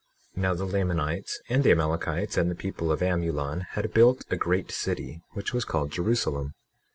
21:2 Now the Lamanites and the Amalekites and the people of Amulon had built a great city, which was called Jerusalem.